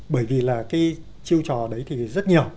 bởi vì là cái chiêu trò đấy thì rất nhiều